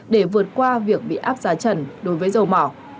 để vượt qua việc bị áp giá trần đối với dầu mỏ